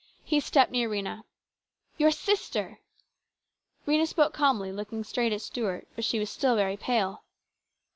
He stepped near Rhena. " Your sister !" Rhena spoke calmly, looking straight at Stuart ; but she was still very pale.